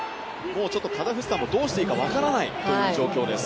ちょっとカザフスタンもどうしていいか分からないという状況です。